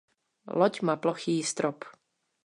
Loď má plochý strop.